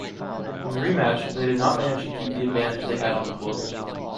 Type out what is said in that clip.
In the rematch, they did not manage to keep the advantage they had on the global.